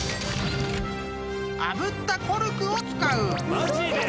［あぶったコルクを使う］マジで？